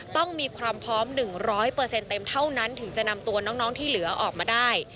ต้องมีความพร้อม๑๐๐เต็มเท่านั้นถึงจะนำตัวน้องที่เหลือออกมาได้